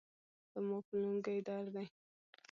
زما په لنګې درد دي